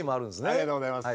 ありがとうございます。